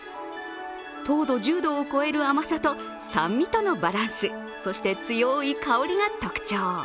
糖度１０度を超える甘さと酸味とのバランスそして強い香りが特徴。